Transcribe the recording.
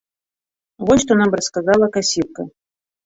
Вось што нам расказала касірка.